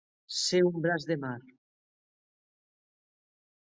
Ser un braç de mar.